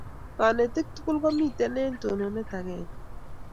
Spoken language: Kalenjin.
kanetik tugul komiten en tononet akenge